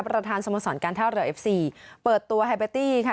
ประธานสมสรรค์การเท่าเหลือเอฟซีเปิดตัวแฮบเบตตี้ค่ะ